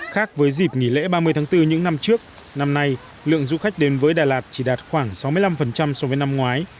khác với dịp nghỉ lễ ba mươi tháng bốn những năm trước năm nay lượng du khách đến với đà lạt chỉ đạt khoảng sáu mươi năm so với năm ngoái